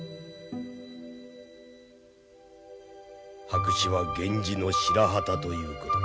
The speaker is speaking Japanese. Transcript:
白紙は源氏の白旗ということ。